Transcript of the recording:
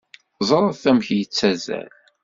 Ẓret amek yettazzal!